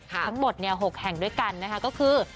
ทั้งหมด๖แห่งด้วยกันนะคะก็คือ